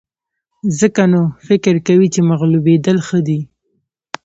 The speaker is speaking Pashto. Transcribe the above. ځکه نو فکر کوئ چې مغلوبېدل ښه دي.